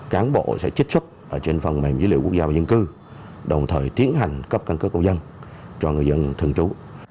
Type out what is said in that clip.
cán bộ sẽ trích xuất trên phần mềm dữ liệu quốc gia và dân cư đồng thời tiến hành cấp căn cước công dân cho người dân thường trú